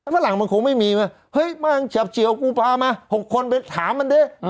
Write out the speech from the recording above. มันคงไม่มีเฮ้ยมางเชียวกูพามา๖คนไปถามมันด้วย